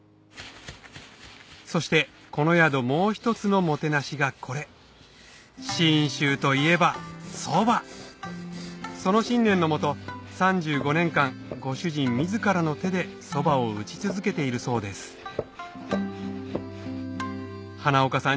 そしてこの宿もう１つのもてなしがこれ信州といえばそばその信念のもと３５年間ご主人自らの手でそばを打ち続けているそうです花岡さん